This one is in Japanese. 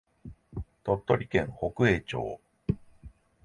鳥取県北栄町